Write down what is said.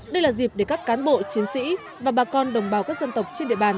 đây là dịp để các cán bộ chiến sĩ và bà con đồng bào các dân tộc trên địa bàn